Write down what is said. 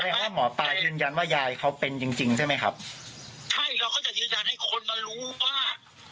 ไม่แกล้งนั้นนี่คือเราพยายามหลอกเขานะว่าเราเอาได้หมดทั้งทั้งที่เรารู้กันก่อนว่า